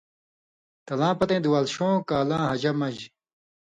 تَلاں پتَیں دُوالشؤں کالاں حجہ مژ